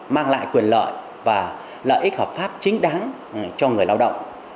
mang lại quyền lợi và lợi ích hợp pháp chính đáng cho người lao động